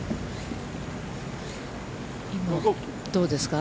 今、どうですか。